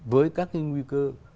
với các cái nguy cơ